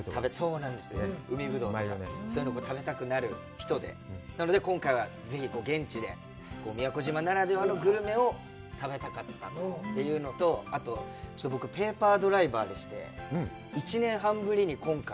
そうなんですよね、海ぶどうとか、そういうのを食べたくなる人で、なので今回はぜひ現地で宮古島ならではのグルメを食べたかったというのと、あと、ちょっと僕、ペーパードライバーでして、１年半ぶりに、今回。